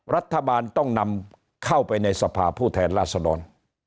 รัฐบาลต้องนำเข้าไปในสภาผู้แทนราษดร